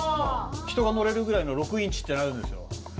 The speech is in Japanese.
人が乗れるぐらいの６インチってのあるんですよ。